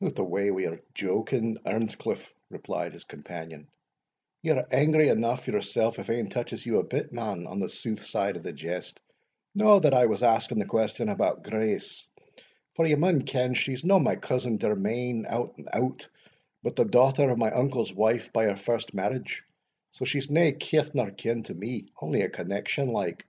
"Hout awa' wi' your joking, Earnscliff," replied his companion, "ye are angry aneugh yoursell if ane touches you a bit, man, on the sooth side of the jest No that I was asking the question about Grace, for ye maun ken she's no my cousin germain out and out, but the daughter of my uncle's wife by her first marriage, so she's nae kith nor kin to me only a connexion like.